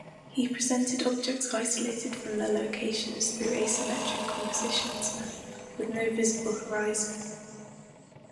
He presented objects isolated from their locations through asymmetric compositions with no visible horizon.